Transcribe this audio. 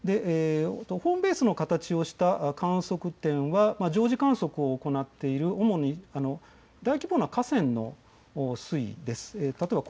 ホームベースの形をした観測点は常時観測を行っている主に大規模な河川の水位です。